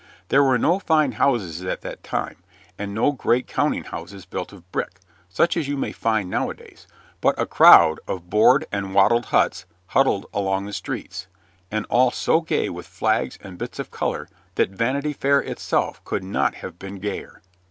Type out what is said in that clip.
There were no fine houses at that time, and no great counting houses built of brick, such as you may find nowadays, but a crowd of board and wattled huts huddled along the streets, and all so gay with flags and bits of color that Vanity Fair itself could not have been gayer.